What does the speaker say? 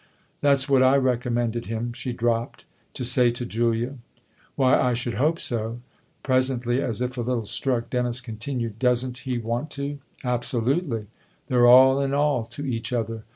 " That's what I recommended him," she dropped, " to say to Julia." " Why, I should hope so !" Presently, as if a little struck, Dennis continued :" Doesn't he want to?" " Absolutely. They're all in all to each other.